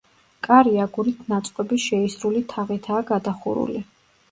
კარი აგურით ნაწყობი შეისრული თაღითაა გადახურული.